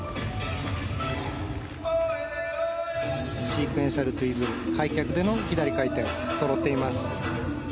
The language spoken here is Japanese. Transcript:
シークエンスシャルという開脚での左回転そろっています。